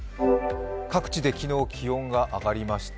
各地で昨日気温が上がりました。